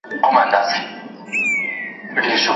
شاګرد د سرچینو دقت ارزوي.